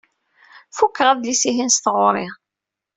Fukeɣ adlis-ihin s tɣuri.